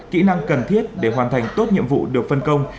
kỹ năng cần thiết để hoàn thành tốt nhiệm vụ được phân công